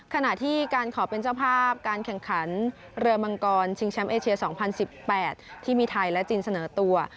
ขณะที่การขอเป็นเจ้าภาพการแข่งขันเรือมังกรชิงแชมป์เอเชีย๒๐๑๘ที่มีไทยและจีนเสนอตัว